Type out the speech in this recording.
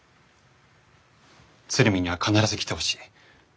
鶴見には必ず来てほしい。